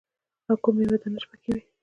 او کومه ميوه دانه چې پکښې وي.